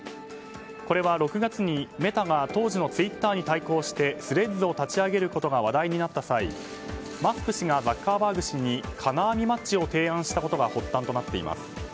これは６月にメタが当時のツイッターに対抗してスレッズを立ち上げることが話題になった際マスク氏がザッカーバーグ氏に金網マッチを提案したことが発端となっています。